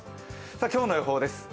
今日の予報です。